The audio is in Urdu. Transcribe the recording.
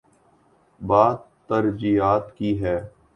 بات ترجیحات کی ہے۔